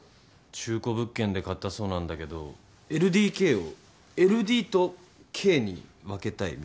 中古物件で買ったそうなんだけどＬＤＫをＬＤとＫに分けたいみたいで。